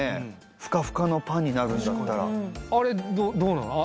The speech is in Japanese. フカフカのパンになるんだったら確かにあれどうなの？